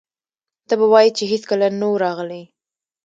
ته به وایې چې هېڅکله نه و راغلي.